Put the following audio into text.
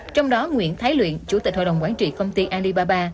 trong đó nguyễn thái luyện chủ tịch hội đồng quản trị công ty alibaba